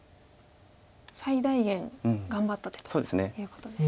最大限頑張った手ということですね。